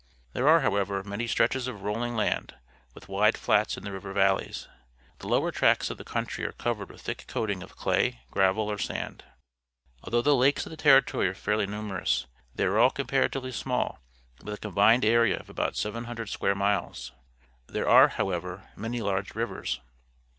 There are, however, many stretches of rolling land, with wide flats in the river valleys. The lower tracts of the country are covered with _„aihick coating of clay, gravel, or sand. Although the lakes of the Territory are fairly numerous, they are all comparatively small, with a combined area of about 700 square miles. There are, however, many large rivers.